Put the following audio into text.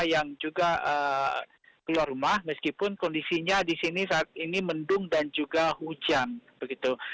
yang juga keluar rumah meskipun kondisinya di sini saat ini mendung dan juga hujan begitu